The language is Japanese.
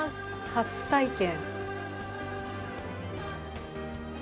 初体験。